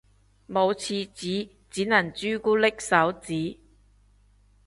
冇廁紙只能朱古力手指